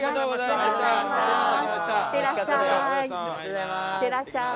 いってらっしゃい。